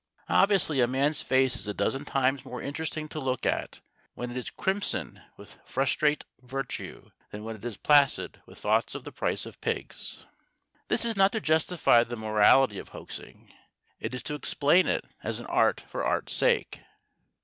Obviously, a man's face is a dozen times more interesting to look at when it is crimson with frustrate virtue than when it is placid with thoughts of the price of pigs. This is not to justify the morality of hoaxing. It is to explain it as an art for art's sake.